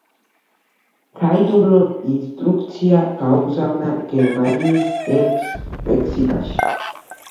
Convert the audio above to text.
საიდუმლო ინსტრუქცია გაუგზავნა გერმანიის ელჩს მექსიკაში.